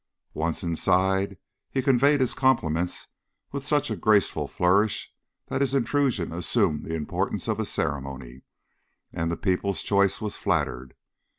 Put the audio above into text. Once inside, he conveyed his compliments with such a graceful flourish that his intrusion assumed the importance of a ceremony and the People's Choice was flattered.